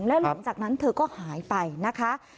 และหลังจากนั้นเธอก็หายไปนะคะ